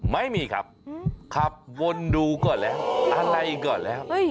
ไม่มีครับขับวนดูก่อนแล้วอะไรก่อนแล้ว